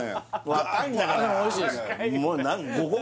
若いんだから５個！？